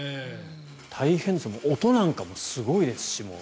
大変です音なんかもすごいですし。